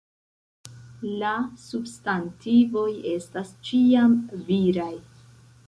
La substantivoj estas ĉiam viraj.